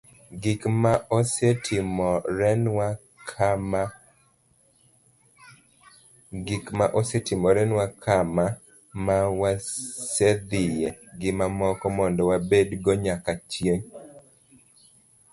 gik ma osetimorenwa, kama ma wasedhiye, gi mamoko, mondo wabedgo nyaka chieng'